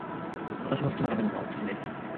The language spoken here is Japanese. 私の好きな食べ物はお寿司です